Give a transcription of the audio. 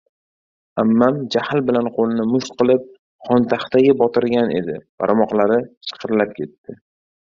— Ammam jahl bilan qo‘lini musht qilib, xontaxtaga botirgan edi, barmoqlari shiqirlab ketdi.